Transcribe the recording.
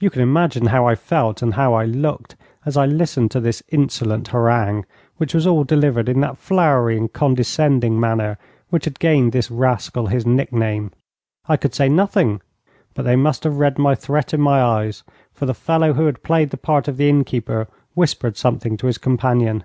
You can imagine how I felt and how I looked, as I listened to this insolent harangue, which was all delivered in that flowery and condescending manner which had gained this rascal his nickname. I could say nothing, but they must have read my threat in my eyes, for the fellow who had played the part of the innkeeper whispered something to his companion.